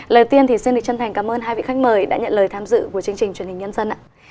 lời tiên thì xin chân thành cảm ơn hai vị khách mời đã nhận lời tham dự của chương trình truyền hình nhân dân ạ